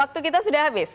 waktu kita sudah habis